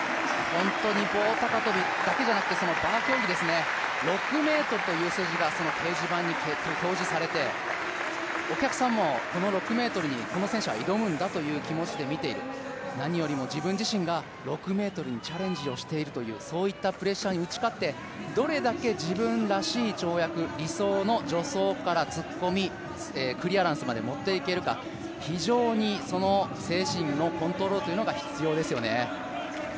本当に棒高跳だけじゃなくて、バー競技、６ｍという数字が掲示板に表示されてお客さんもこの６ｍにこの選手は挑むんだという気持ちで見ている何よりも自分自身が６ｍにチャレンジをしているんだという、そういったプレッシャーに打ち勝ってどれだけ自分らしい跳躍、理想の助走から突っ込み、クリアランスまで持っていけるか、精神のコントロールが必要ですよね。